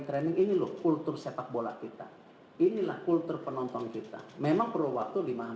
training ini loh kultur sepak bola kita inilah kultur penonton kita memang perlu waktu